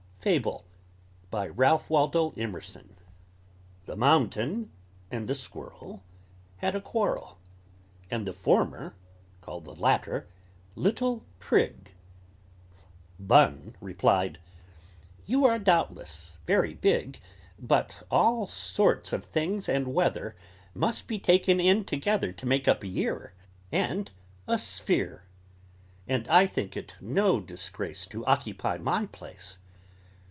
FABLE BY RALPH WALDO EMERSON The mountain and the squirrel Had a quarrel, And the former called the latter "Little Prig"; Bun replied, "You are doubtless very big; But all sorts of things and weather Must be taken in together, To make up a year And a sphere, And I think it no disgrace To occupy my place.